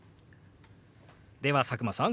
では佐久間さん